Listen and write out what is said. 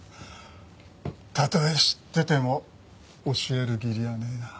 たとえ知ってても教える義理はねえな。